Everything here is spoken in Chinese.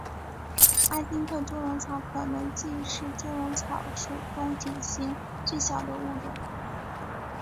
阿金特猪笼草可能既是猪笼草属中体型最小的物种。